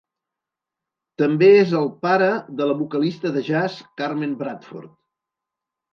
També és el pare de la vocalista de jazz Carmen Bradford.